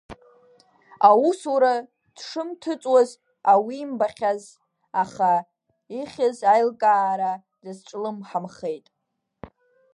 Аусура дшымҭыҵуаз ауимбахьаз, аха ихьыз аилкаара дазҿлымҳамхеит.